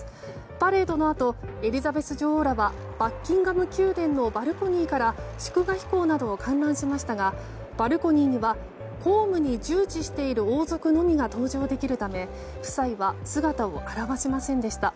パレードのあとエリザベス女王らはバッキンガム宮殿のバルコニーから祝賀飛行などを観覧しましたがバルコニーには公務に従事している王族のみが登場できるため夫妻は姿を現しませんでした。